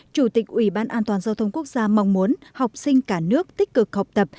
chủ tịch ủy ban an toàn giao thông quốc gia mong muốn học sinh cả nước tích cực học tập